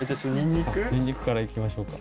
ニンニクからいきましょうか。